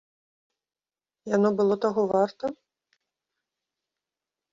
Яно было таго варта?